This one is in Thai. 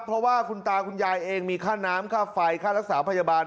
เพราะว่าคุณตาคุณยายเองมีค่าน้ำค่าไฟค่ารักษาพยาบาล